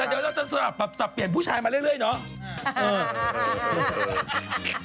แต่เดี๋ยวเราจะสับสมัครศัพท์เปลี่ยนผู้ชายมาเรื่อยเนาะ